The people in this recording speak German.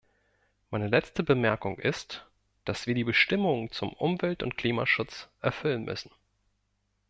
Meine letzte Bemerkung ist, dass wir die Bestimmungen zum Umwelt- und Klimaschutz erfüllen müssen.